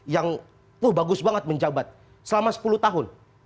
yang wah bagus banget menjabat selama sepuluh tahun